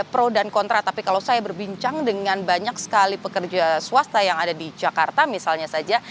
pro dan kontra tapi kalau saya berbincang dengan banyak sekali pekerja swasta yang ada di jakarta misalnya saja